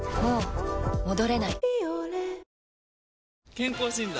健康診断？